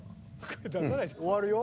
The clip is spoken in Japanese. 終わるよ。